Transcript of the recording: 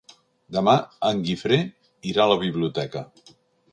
Demà en Guifré irà a la biblioteca.